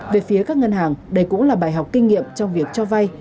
về phía các ngân hàng đây cũng là bài học kinh nghiệm trong việc cho vay